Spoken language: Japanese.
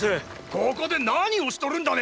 ここで何をしとるんだね